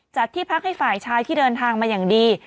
ที่พักให้ฝ่ายชายที่เดินทางมาอย่างดี